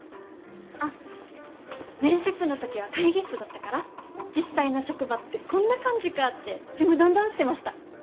あっ面接の時は会議室だったから実際の職場ってこんな感じかってちむどんどんしてました！